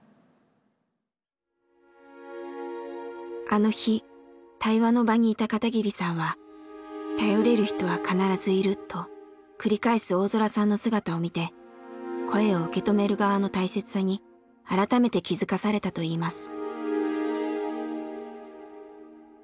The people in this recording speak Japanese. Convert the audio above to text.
あの日対話の場にいた片桐さんは「頼れる人は必ずいる」と繰り返す大空さんの姿を見て声を受け止める側の大切さに改めて気付かされたといいます。